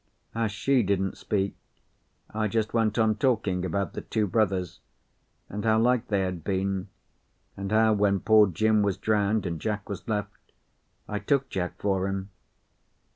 As she didn't speak, I just went on talking about the two brothers, and how like they had been, and how when poor Jim was drowned and Jack was left, I took Jack for him.